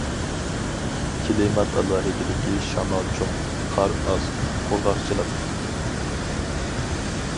كىلىمات ئالاھىدىلىكى شامال چوڭ، قار ئاز، قۇرغاقچىلىق.